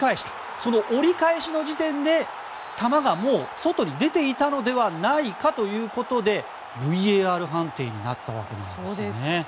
その折り返しの時点で球が外に出ていたのではないかということでＶＡＲ判定になったわけなんですよね。